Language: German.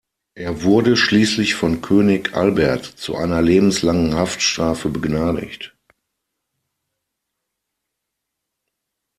Er wurde schließlich von König Albert zu einer lebenslangen Haftstrafe begnadigt.